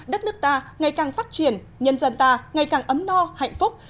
đất nước ta ngày càng phát triển nhân dân ta ngày càng ấm no hạnh phúc